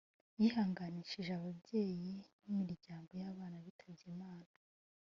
yihanganishije ababyeyi n’imiryango y’abana bitabye Imana